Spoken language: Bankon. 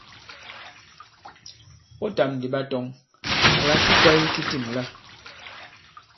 Ɓɔtàm ndì ɓa tɔŋ àlà ki kwāye ki tîm la.